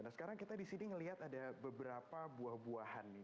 nah sekarang kita di sini ngelihat ada beberapa buah buahan nih